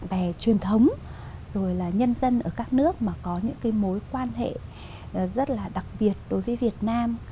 bạn bè truyền thống rồi là nhân dân ở các nước mà có những cái mối quan hệ rất là đặc biệt đối với việt nam